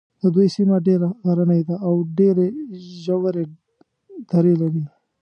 د دوی سیمه ډېره غرنۍ ده او ډېرې ژورې درې لري.